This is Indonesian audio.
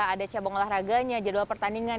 ada cabang olahraganya jadwal pertandingan